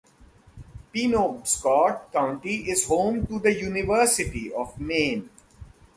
Penobscot County is home to the University of Maine.